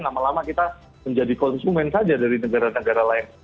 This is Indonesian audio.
lama lama kita menjadi konsumen saja dari negara negara lain